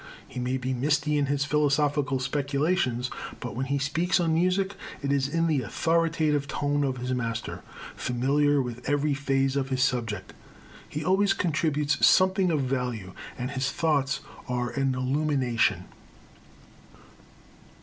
He may be misty in his philosophical speculations, but when he speaks on music it is in the authoritative tone of the master, familiar with every phase of his subject. He always contributes something of value, and his thoughts are an illumination.